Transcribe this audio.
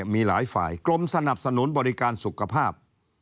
มีหลายฝ่ายกรมสนับสนุนบริการสุขภาพ